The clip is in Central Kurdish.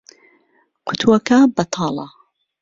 قوتووەکە بەتاڵە.